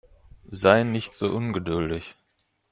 Sei nicht so ungeduldig.